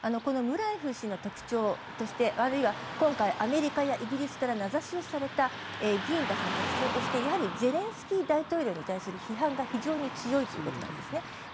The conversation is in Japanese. ムラエフ氏の特徴としてあるいは今回、アメリカやイギリスから名指しをされた議員たちの特徴としてゼレンスキー大統領に対する批判が非常に強いということなんですね。